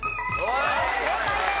正解です。